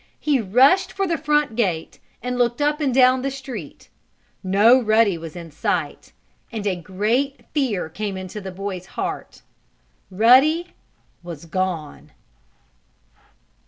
He rushed for the front gate and looked up and down the street. No Ruddy was in sight, and a great fear came into the boy's heart. Ruddy was gone.